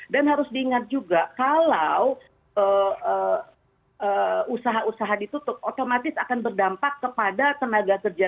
harus diingat juga kalau usaha usaha ditutup otomatis akan berdampak kepada tenaga kerja